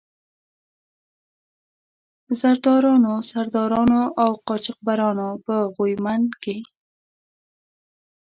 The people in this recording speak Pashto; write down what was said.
زردارانو، سردارانو او قاچاق برانو په غويمند کې.